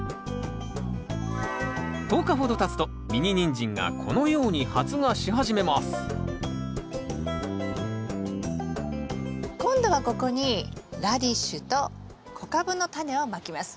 １０日ほどたつとミニニンジンがこのように発芽し始めます今度はここにラディッシュと小カブのタネをまきます。